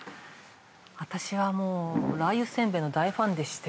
私はもうラー油せんべいの大ファンでして。